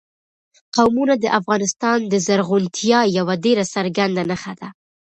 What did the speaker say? قومونه د افغانستان د زرغونتیا یوه ډېره څرګنده نښه ده.